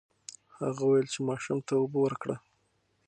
هغه وویل چې ماشوم ته اوبه ورکړه.